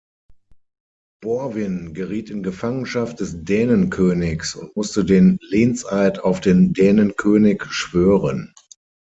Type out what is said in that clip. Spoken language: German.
Borwin geriet in Gefangenschaft des Dänenkönigs und musste den Lehnseid auf den Dänenkönig schwören.